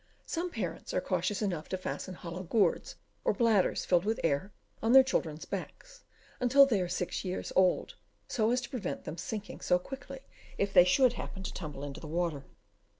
Some parents are cautious enough to fasten hollow gourds, or bladders filled with air, on their children's backs, until they are six years old, so as to prevent them sinking so quickly, if they should happen to tumble into the water.